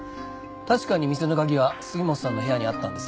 確かに店の鍵は杉本さんの部屋にあったんです。